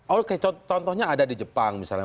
oke contohnya ada di jepang misalnya